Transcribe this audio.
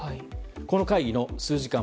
この会議の数時間